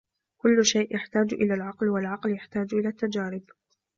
كُلُّ شَيْءٍ يَحْتَاجُ إلَى الْعَقْلِ وَالْعَقْلُ يَحْتَاجُ إلَى التَّجَارِبِ